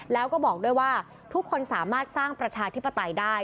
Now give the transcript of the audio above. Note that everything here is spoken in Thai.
แล้วก็บอกด้วยว่าทุกคนสามารถสร้างประชาธิปไตยได้